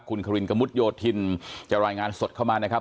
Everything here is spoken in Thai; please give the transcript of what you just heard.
คุณครินกระมุดโยธินจะรายงานสดเข้ามานะครับ